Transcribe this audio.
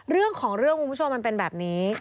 เรื่องของเรื่องคุณผู้ชมมันเป็นแบบนี้